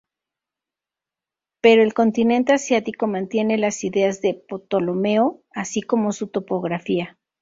Pero el continente asiático mantiene las ideas de Ptolomeo, así como su topografía.